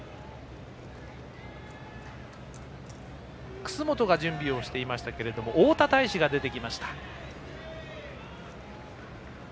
楠本が準備をしていましたけど大田泰示が出てきました。